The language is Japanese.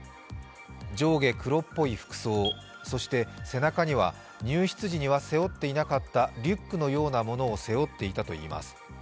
上下黒っぽい服装、そして背中には入室時には背負っていなかったリュックのようなものを背負っていたといいます。